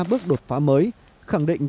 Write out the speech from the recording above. bước đột phá mới khẳng định